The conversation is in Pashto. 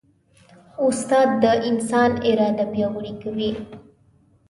استاد د انسان اراده پیاوړې کوي.